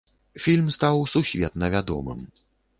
Фільм стаў сусветна вядомым.